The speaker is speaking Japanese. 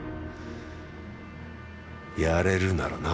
やれるならな。